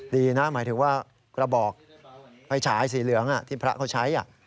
ดีนะหมายถึงว่ากระบอกไฟฉายสีเหลืองที่พระเขาใช้